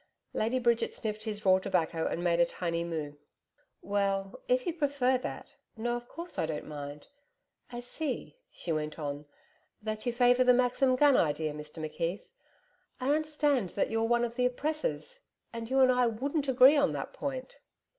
Lady Bridget sniffed his raw tobacco and made a tiny moue. 'Well, if you prefer that No, of course I don't mind. I see,' she went on, 'that you favour the Maxim gun idea, Mr McKeith. I understand that you're one of the Oppressors; and you and I wouldn't agree on that point.'